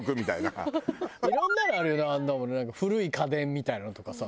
いろんなのあるよねあんなのもね古い家電みたいなのとかさ。